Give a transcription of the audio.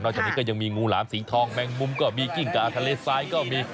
จากนี้ก็ยังมีงูหลามสีทองแมงมุมก็มีกิ้งกาทะเลซ้ายก็มี